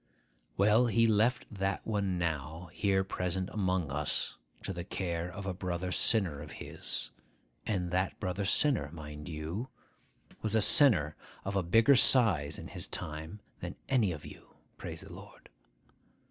'Well, he left that one now here present among us to the care of a brother sinner of his (and that brother sinner, mind you, was a sinner of a bigger size in his time than any of you; praise the Lord!)